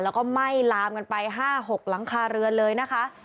แล้วก็ไหม้ลามกันไป๕๖หลังคาเรือนเลยนะคะ